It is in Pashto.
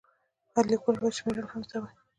هر لیکوال باید شمېرل هم زده وای.